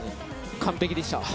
完璧でした。